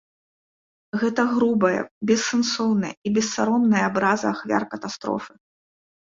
Гэта грубая, бессэнсоўная і бессаромная абраза ахвяр катастрофы.